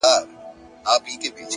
د حقیقت درناوی شخصیت لوړوي,